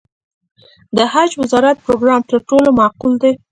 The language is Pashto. د حج وزارت پروګرام تر ټولو معقول دی.